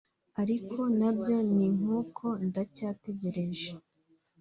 ariko nabyo ni nk’uko ndacyategereje